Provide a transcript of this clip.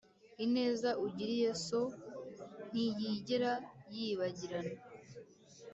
ineza ugiriye so ntiyigera yibagirana,